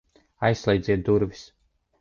Aizslēdziet durvis!